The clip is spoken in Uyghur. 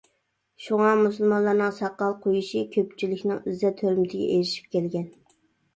شۇڭا مۇسۇلمانلارنىڭ ساقال قويۇشى كۆپچىلىكنىڭ ئىززەت-ھۆرمىتىگە ئېرىشىپ كەلگەن.